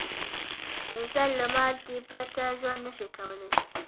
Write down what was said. انسان له مالګې پرته ژوند نه شي کولای.